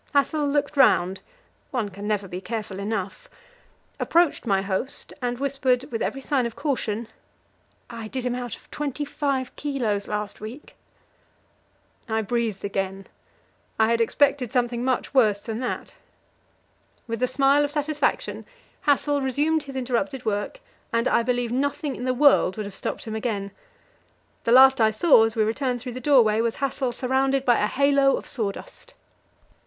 Hassel looked round one can never be careful enough approached my host, and whispered, with every sign of caution "I did him out of twenty five kilos last week." I breathed again; I had expected something much worse than that. With a smile of satisfaction Hassel resumed his interrupted work, and I believe nothing in the world would have stopped him again. The last I saw as we returned through the doorway was Hassel surrounded by a halo of sawdust.